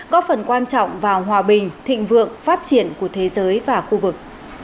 có phần quan trọng vào hòa bình thịnh vượng phát triển của thế giới và khu vực